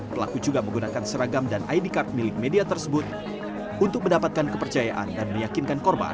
pelaku juga menggunakan seragam dan id card milik media tersebut untuk mendapatkan kepercayaan dan meyakinkan korban